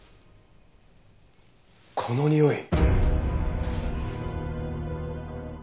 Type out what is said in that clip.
このにおい！